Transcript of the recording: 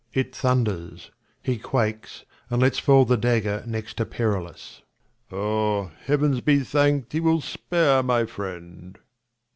[_It thunders. He quakes, and lets fall the dagger next to Perillus. Leir. O, heavens be thanked, he will spare my friend.